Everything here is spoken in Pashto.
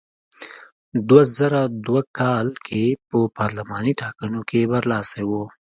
دوه زره دوه کال کې په پارلماني ټاکنو کې برلاسی و.